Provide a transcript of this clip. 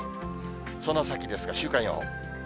その先ですが週間予報。